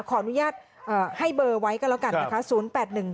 ขออนุญาตให้เบอร์ไว้ก็แล้วกันนะคะ